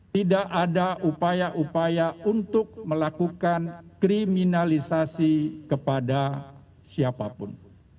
tidak ada upaya upaya untuk melakukan kriminalisasi kepada siapapun